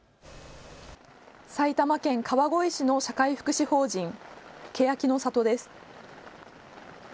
埼玉県川越市の障害者福祉法人けやきの郷です。